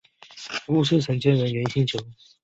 故事承接人猿星球。